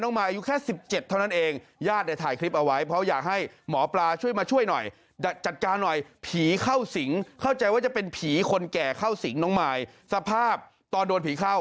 ออกออกไปก่อนได้ไหมยายเดี๋ยวผมไปซื้อให้